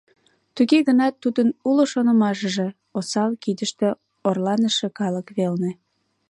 Туге гынат тудын уло шонымашыже — осал кидыште орланыше калык велне.